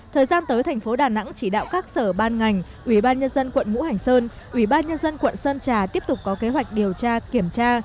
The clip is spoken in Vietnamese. thời gian tới thành phố đà nẵng chỉ đạo các sở ban ngành ủy ban nhân dân quận ngũ hành sơn ủy ban nhân dân quận sơn trà tiếp tục có kế hoạch điều tra kiểm tra